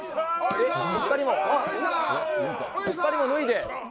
２人も脱いで。